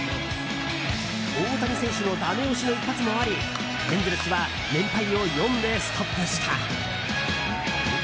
大谷選手のだめ押しの一発もありエンゼルスは連敗を４でストップした。